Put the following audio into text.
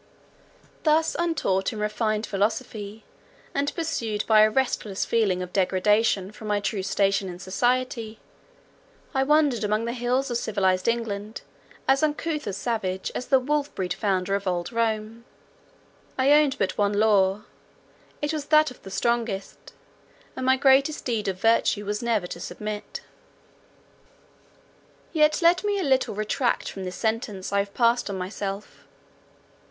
Thus untaught in refined philosophy, and pursued by a restless feeling of degradation from my true station in society, I wandered among the hills of civilized England as uncouth a savage as the wolf bred founder of old Rome. I owned but one law, it was that of the strongest, and my greatest deed of virtue was never to submit. Yet let me a little retract from this sentence I have passed on myself.